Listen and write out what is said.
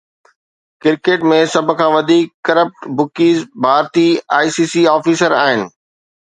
cricket ۾ سڀ کان وڌيڪ ڪرپٽ بکيز ڀارتي، آءِ سي سي آفيسر آهن